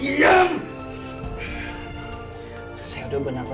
inhal damn you